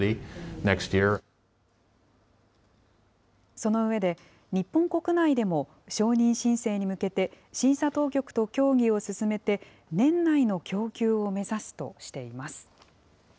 その上で、日本国内でも承認申請に向けて、審査当局と協議を進めて、年内の供給を目指すとしています。